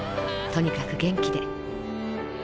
とにかく元気で。